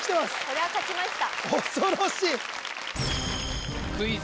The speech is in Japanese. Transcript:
これは勝ちました